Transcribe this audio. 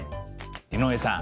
井上さん